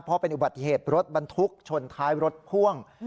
เพราะเป็นอุบัติเหตุรถบรรทุกชนท้ายรถพ่วง